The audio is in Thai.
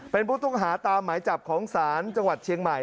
เป็นผู้ต้องหาตามหมายจับของศาลจังหวัดเชียงใหม่